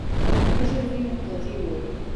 مشر زوی مې قاضي وو.